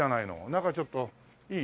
中ちょっといい？